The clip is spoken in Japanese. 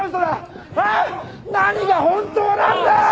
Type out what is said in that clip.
何が本当なんだ！？